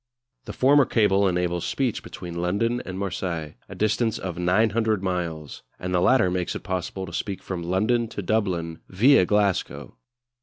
The former cable enables speech between London and Marseilles, a distance of 900 miles; and the latter makes it possible to speak from London to Dublin viâ Glasgow.